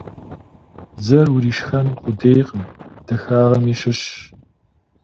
Дзэр уришхэн къудейкъым, дахагъэми щыщщ.